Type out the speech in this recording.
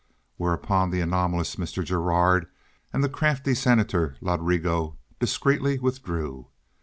Whereupon the anomalous Mr. Gerard and the crafty Senator Ladrigo discreetly withdrew.